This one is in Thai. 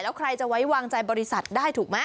แล้วใครจะไว้วางใจบริษัทได้ถูกไหม